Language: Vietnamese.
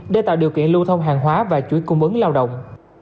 để tạo điều kiện lưu thông hàng hóa và chuỗi cung ứng lao động